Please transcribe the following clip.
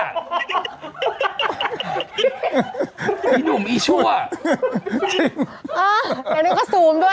นุ่มอีชั่วจริงอ่าอย่างนึงก็สูมด้วย